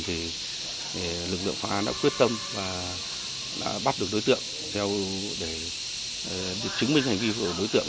lực lượng công an đã quyết tâm và đã bắt được đối tượng để chứng minh hành vi của đối tượng